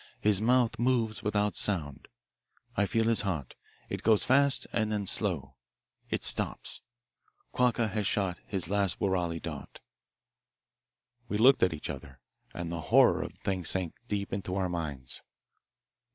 His mouth moves without sound. I feel his heart. It goes fast and then slow. It stops. Quacca has shot his last woorali dart.'" We looked at each other, and the horror of the thing sank deep into our minds.